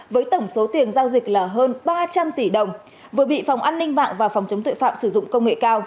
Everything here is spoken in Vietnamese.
với tổng số tiền giao dịch là hơn ba trăm linh tỷ đồng vừa bị phòng an ninh mạng và phòng chống tội phạm sử dụng công nghệ cao